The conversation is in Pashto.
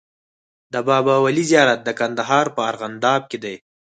د بابا ولي زيارت د کندهار په ارغنداب کی دی